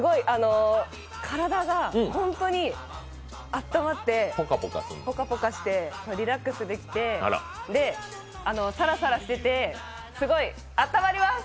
体が本当に温まってぽかぽかしてリラックスできて、さらさらしててすごいあったまります！